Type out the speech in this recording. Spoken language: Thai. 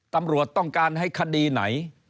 ตำรวจต้องการให้คดีไหน